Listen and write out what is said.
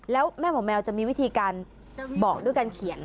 แล้วแม่หมอแมวจะมีวิธีการบอกด้วยการเขียน